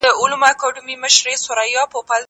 زه کولای سم وخت ونیسم؟!